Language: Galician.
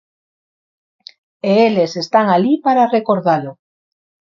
E eles están alí para recordalo.